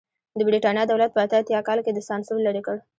د برېټانیا دولت په اته اتیا کال کې سانسور لرې کړ.